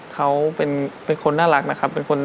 เขาเป็นคนน่ารักนะครับ